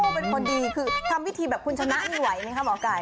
โอ้แหละเป็นคนดีคือทำวิธีแบบคุณชนะมันไม่ไหวไหมค่ะหมอไก่